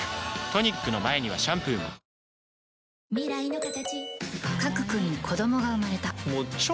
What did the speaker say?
トニックの前にはシャンプーも大丈夫か？